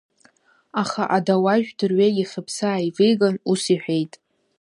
Аха адауажә дырҩагьых иԥсы ааивиган, ус иҳәеит…